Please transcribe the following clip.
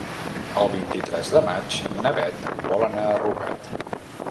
El vint-i-tres de maig na Bet vol anar a Rugat.